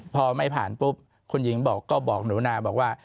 พอไม่ผ่านปุ๊บคุณหญิงบอกก็บอกหนูนาบอกว่า